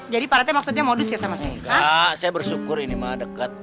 jadi paratnya maksudnya modus ya samadaikah saya bersyukur ini mah dekat